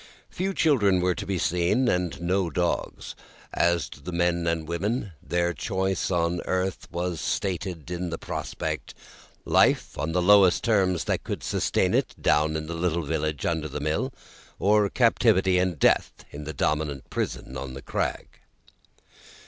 Few children were to be seen, and no dogs. As to the men and women, their choice on earth was stated in the prospect Life on the lowest terms that could sustain it, down in the little village under the mill; or captivity and Death in the dominant prison on the crag.